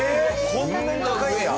こんなに高いんだ。